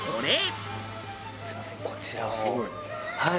すみませんこちらをはい。